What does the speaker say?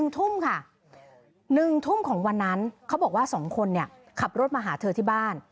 ทุ่มค่ะ๑ทุ่มของวันนั้นเขาบอกว่า๒คนขับรถมาหาเธอที่บ้าน